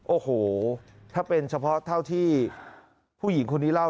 โอ้โหถ้าเป็นเฉพาะเท่าที่ผู้หญิงคนนี้เล่า